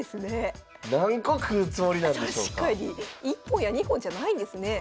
１本や２本じゃないんですね。